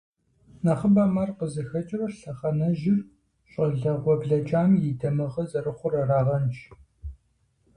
Нэхъыбэм ар къызыхэкӀыр лъэхъэнэжьыр щӀалэгъуэ блэкӀам и дамыгъэ зэрыхъур арагъэнщ.